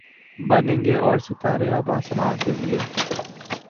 بنیں گے اور ستارے اب آسماں کے لیے